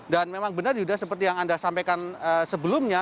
dan memang benar juga seperti yang anda sampaikan sebelumnya